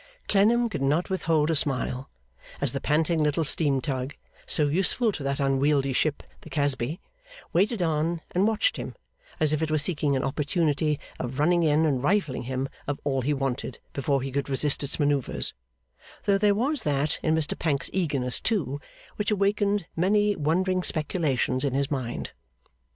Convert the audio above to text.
Clennam could not withhold a smile, as the panting little steam tug, so useful to that unwieldy ship, the Casby, waited on and watched him as if it were seeking an opportunity of running in and rifling him of all he wanted before he could resist its manoeuvres; though there was that in Mr Pancks's eagerness, too, which awakened many wondering speculations in his mind.